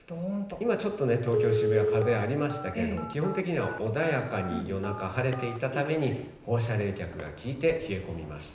今ちょっと東京・渋谷、風ありましたけれども、基本的には穏やかに、夜中、晴れていたために、放射冷却がきいて冷え込みました。